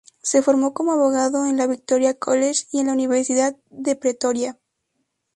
Se formó como abogado en el Victoria College y en la Universidad de Pretoria.